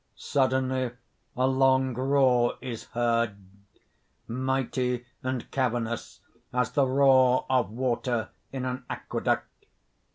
_ _Suddenly a long roar is heard, mighty and cavernous as the roar of water in an aqueduct.